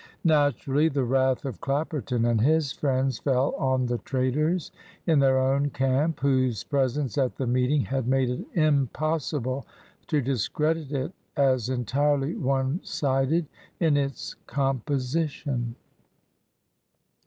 Naturally the wrath of Clapperton and his friends fell on the traitors in their own camp whose presence at the meeting had made it impossible to discredit it as entirely one sided in its composition.